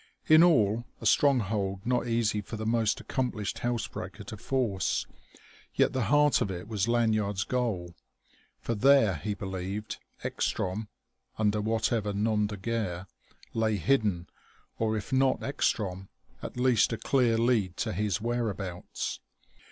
In all a stronghold not easy for the most accomplished house breaker to force; yet the heart of it was Lanyard's goal; for there, he believed, Ekstrom (under whatever nom de guerre) lay hidden, or if not Ekstrom, at least a clear lead to his whereabouts.